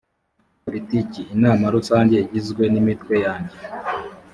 politiki inama rusange igizwe n imitwe yanjye